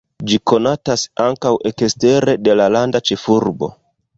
Ĝi konatas ankaŭ ekstere de la landa ĉefurbo.